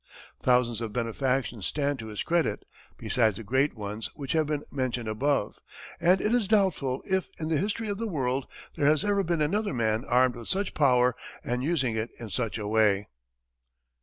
Thousands of benefactions stand to his credit, besides the great ones which have been mentioned above, and it is doubtful if in the history of the world there has ever been another man armed with such power and using it in such a way.